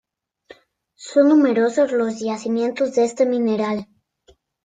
Son numerosos los yacimientos de este mineral.